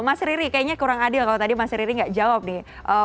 mas riri kayaknya kurang adil kalau tadi mas riri nggak jawab nih